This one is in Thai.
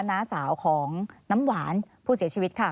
น้าสาวของน้ำหวานผู้เสียชีวิตค่ะ